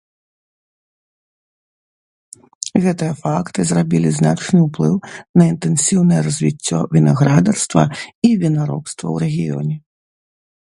Гэтыя факты зрабілі значны ўплыў на інтэнсіўнае развіццё вінаградарства і вінаробства ў рэгіёне.